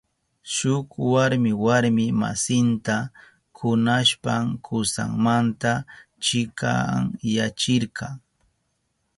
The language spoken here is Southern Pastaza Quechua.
Shuk warmi warmi masinta kunashpan kusanmanta chikanyachirka.